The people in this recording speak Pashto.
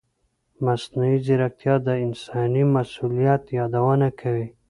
مصنوعي ځیرکتیا د انساني مسؤلیت یادونه کوي.